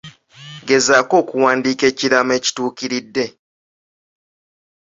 Gezaako okuwandiika ekiraamo ekituukiridde.